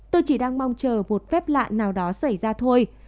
tôi chỉ đang mong chờ một phép lạ nào đó xảy ra thôi